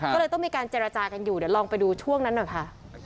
ก็เลยต้องมีการเจรจากันอยู่เดี๋ยวลองไปดูช่วงนั้นหน่อยค่ะ